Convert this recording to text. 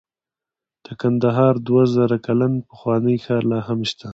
د کندهار دوه زره کلن پخوانی ښار لاهم شته